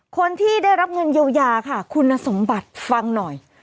คนที่ได้รับเงินเยียวยาค่ะคุณสมบัติฟังหน่อย